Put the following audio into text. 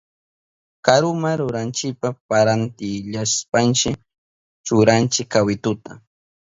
Karuma rinanchipa parantillashpanchi churanchi kawituta.